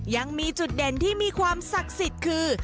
ยังมีจุดเด่นที่มีความศักดิ์สิทธิ์คือ